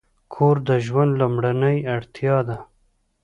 کور د ژوند لومړنۍ اړتیا ده.